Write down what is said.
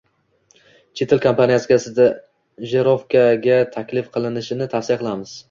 Chet el kompaniyasiga stajirovkaga taklif qilinishni tavsiya qilamiz.